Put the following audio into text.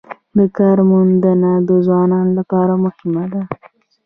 د کار موندنه د ځوانانو لپاره مهمه ده